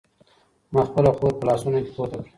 ما خپله خور په لاسونو کې پورته کړه.